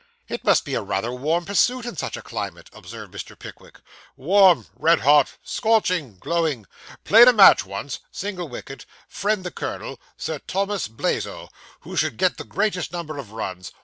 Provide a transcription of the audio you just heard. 'It must be rather a warm pursuit in such a climate,' observed Mr. Pickwick. 'Warm! red hot scorching glowing. Played a match once single wicket friend the colonel Sir Thomas Blazo who should get the greatest number of runs.